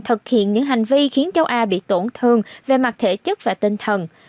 thực hiện những hành vi khiến châu a bị tổn thương về mặt thể chức và tinh thần